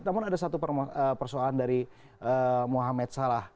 namun ada satu persoalan dari mohamed salah